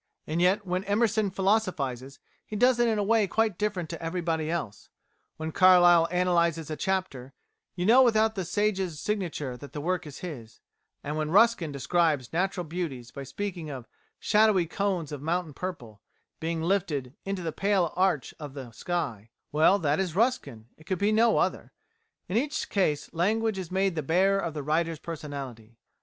And yet when Emerson philosophises he does it in a way quite different to everybody else; when Carlyle analyses a character, you know without the Sage's signature that the work is his; and when Ruskin describes natural beauties by speaking of "shadowy cones of mountain purple" being lifted "into the pale arch of the sky" well, that is Ruskin it could be no other. In each case language is made the bearer of the writer's personality.